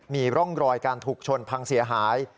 มีร่องรอยการถูกชนพังเสียหาย